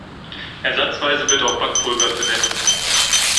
Ersatzweise wird auch Backpulver verwendet.